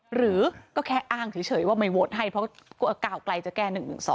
หรือก็แค่อ้างเฉยว่าไม่โหวตให้เพราะก้าวไกลจะแก้๑๑๒